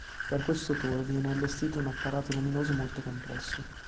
Per questo tour viene allestito un apparato luminoso molto complesso.